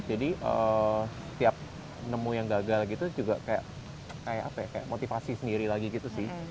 jadi setiap nemu yang gagal gitu juga kayak motivasi sendiri lagi gitu sih